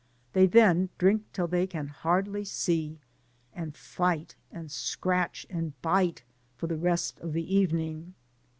They then drink till they can hardly see, and fight, and scratch, and bite, for the rest of the evening.